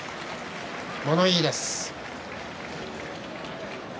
物言いです。